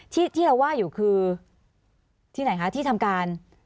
ที่เราว่าอยู่คือที่ไหนคะที่ทำการ